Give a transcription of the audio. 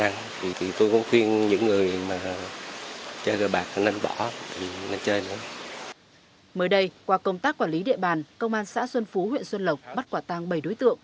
mới đây qua công tác quản lý địa bàn công an xã xuân phú huyện xuân lộc bắt quả tăng bảy đối tượng